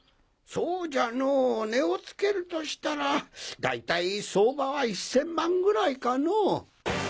そうじゃの値をつけるとしたら大体相場は１千万ぐらいかの。